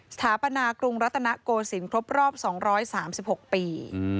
สถาปนากรุงรัตนโกศิลปครบรอบ๒๓๖ปี